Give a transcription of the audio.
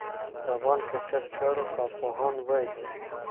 د افغان کرېکټ چارو کارپوهان وايي